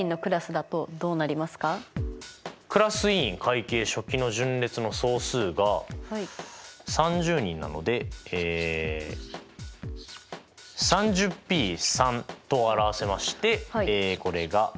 クラス委員会計書記の順列の総数が３０人なのでえＰと表せましてこれが。